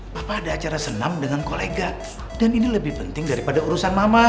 papa ada acara senam dengan kolega dan ini lebih penting daripada urusan mama